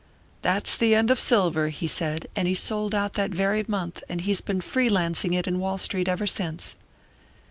'That's the end of silver,' he said, and he sold out that very month, and he's been freelancing it in Wall Street ever since."